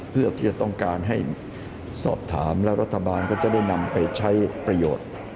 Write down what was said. เพื่อที่จะต้องการให้สอบถามและรัฐบาลก็จะได้นำไปใช้ประโยชน์